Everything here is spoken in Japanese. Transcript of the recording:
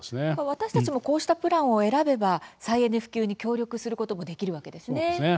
私たちもこうしたプランを選べば再エネ普及に協力することもできるわけですね。